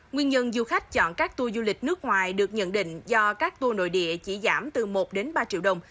nguyên nhân du khách chọn các tùa du lịch nước ngoài được nhận định do các tùa nội địa chỉ giảm từ một đến ba mươi triệu đồng